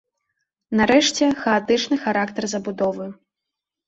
Нарэшце, хаатычны характар забудовы.